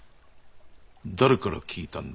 誰から聞いたんだ？